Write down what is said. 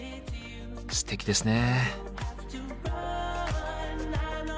すてきですね。